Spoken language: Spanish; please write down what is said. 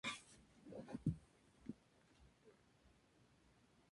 Juega sus partidos de local en el Estadio Victoria.